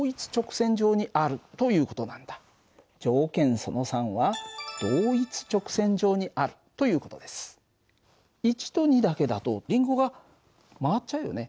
その３は１と２だけだとりんごが回っちゃうよね。